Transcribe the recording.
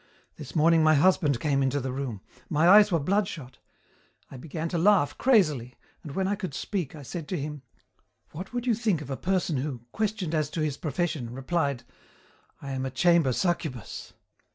This morning my husband came into the room. My eyes were bloodshot. I began to laugh crazily, and when I could speak I said to him, "What would you think of a person who, questioned as to his profession, replied, 'I am a chamber succubus'?"